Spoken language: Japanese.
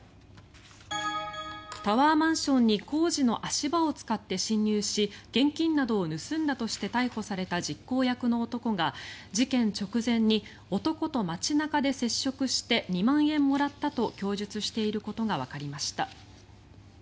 タワーマンションに工事の足場を使って侵入し現金などを盗んだとして逮捕された実行役の男が事件直前に男と街中で接触して２万円もらったと供述していることがわかりました。